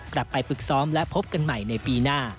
กลับไปฝึกซ้อมและพบกันใหม่ในปีหน้า